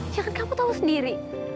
jangan kamu tahu sendiri